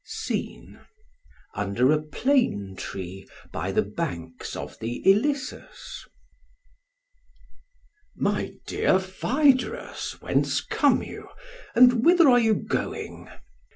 SCENE: Under a plane tree, by the banks of the Ilissus. SOCRATES: My dear Phaedrus, whence come you, and whither are you going?